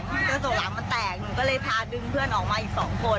กระจกหลังมันแตกหนูก็เลยพาดึงเพื่อนออกมาอีกสองคน